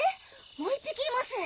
もう１匹います。